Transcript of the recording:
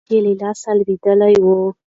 بیرغ یې له لاسه لوېدلی وو.